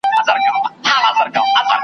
ته به څرنګه سینګار کړې جهاني د غزل توري .